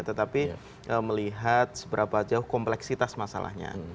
tetapi melihat seberapa jauh kompleksitas masalahnya